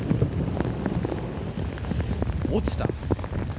落ちた。